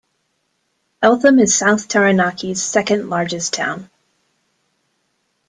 Eltham is South Taranaki's second largest town.